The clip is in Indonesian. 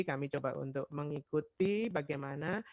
kami coba untuk mengikuti bagaimana